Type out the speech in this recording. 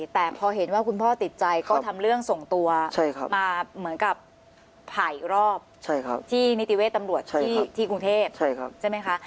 แต่พอเห็นว่าคุณพ่อติดใจก็ทำเรื่องส่งตัวมาเหมือนกับผ่าอีกรอบที่นิติเวทตำรวจที่กรุงเทพใช่ไหมคะ